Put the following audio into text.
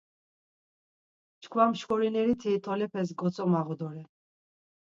Çkva mşkorineriti tolepes gotzomağu doren.